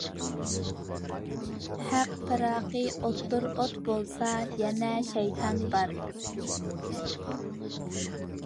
ھەق پىراقى-ئوتتۇر، ئوت بولسا يەنە شەيتان بار.